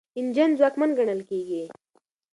انجن ځواکمن ګڼل کیږي.